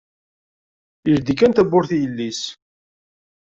Ileddi kan tawwurt i yelli-s